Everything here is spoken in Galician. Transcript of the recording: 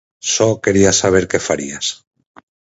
Só quería saber que farías.